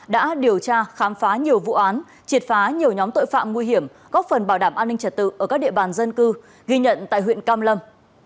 đã điều tra khám phá nhiều vụ án triệt phá nhiều nhóm tội phạm nguy hiểm góp phần bảo đảm an ninh trật tự ở các địa bàn dân cư ghi nhận tại huyện cam lâm